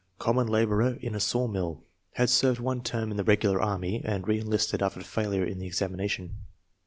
Common laborer in a sawmill. Had served one term in the regular army, and reenlisted after failure in the examination.